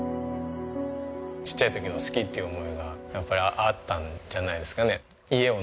ちっちゃい時の好きっていう思いがやっぱりあったんじゃないですかね。